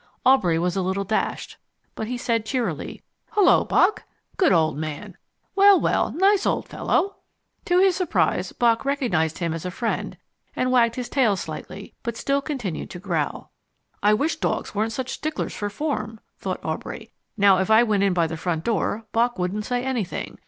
Aubrey was a little dashed, but he said cheerily "Hullo, Bock! Good old man! Well, well, nice old fellow!" To his surprise, Bock recognized him as a friend and wagged his tail slightly, but still continued to growl. "I wish dogs weren't such sticklers for form," thought Aubrey. "Now if I went in by the front door, Bock wouldn't say anything.